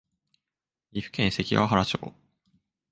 岐阜県関ケ原町